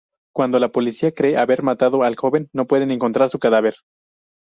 Cuando la policía cree haber matado al joven, no puede encontrar su cadáver.